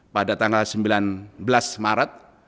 pada tanggal sembilan belas maret